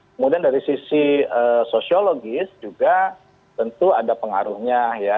kemudian dari sisi sosiologis juga tentu ada pengaruhnya ya